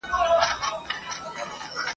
زموږ د خپل تربور په وینو د زمان ژرنده چلیږي ..